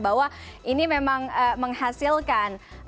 bahwa ini memang menghasilkan